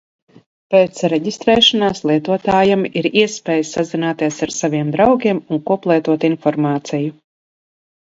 Pēc reģistrēšanās lietotājam ir iespēja sazināties ar saviem draugiem un koplietot informāciju.